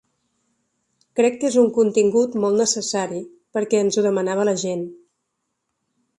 Crec que és un contingut molt necessari perquè ens ho demanava la gent.